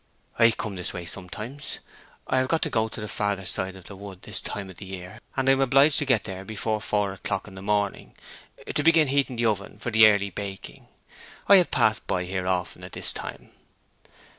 "I come this way sometimes. I have got to go to the farther side of the wood this time of the year, and am obliged to get there before four o'clock in the morning, to begin heating the oven for the early baking. I have passed by here often at this time."